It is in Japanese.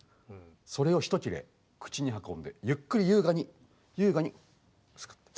それをひと切れ口に運んでゆっくり優雅に優雅にスクッと。